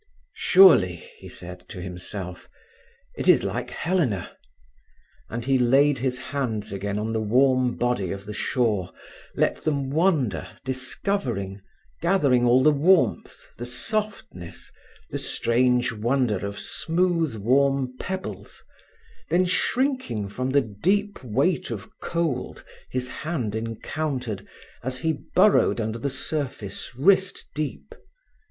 "Surely," he said to himself, "it is like Helena;" and he laid his hands again on the warm body of the shore, let them wander, discovering, gathering all the warmth, the softness, the strange wonder of smooth warm pebbles, then shrinking from the deep weight of cold his hand encountered as he burrowed under the surface wrist deep.